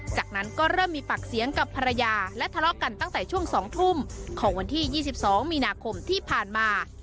จากนั้นก็เริ่มมีปากเสียงกับภรรยาและทะเลาะกันตั้งแต่ช่วง๒ทุ่มของวันที่๒๒มีนาคมที่ผ่านมา